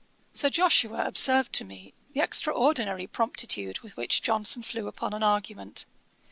Sir Joshua observed to me the extraordinary promptitude with which Johnson flew upon an argument.